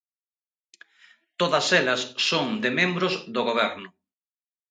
Todas elas son de membros do Goberno.